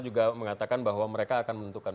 juga mengatakan bahwa mereka akan menentukan